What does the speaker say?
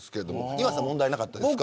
今田さん問題なかったですか。